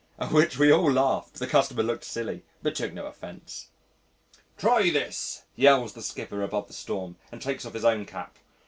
At which we all laughed, the customer looked silly, but took no offence. "Try this," yells the skipper above the storm, and takes off his own cap.